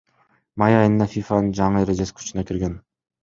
Май айында ФИФАнын жаңы эрежеси күчүнө кирген.